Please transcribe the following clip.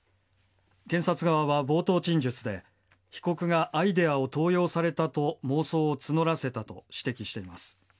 検察側は冒頭陳述で被告がアイデアを盗用されたと妄想を募らせたと指摘しています。